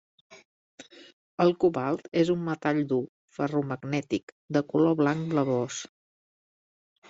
El cobalt és un metall dur, ferromagnètic, de color blanc blavós.